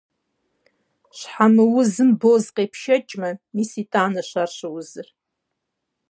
Щхьэмыузым боз къепшэкӀмэ, мис итӀанэщ ар щыузыр.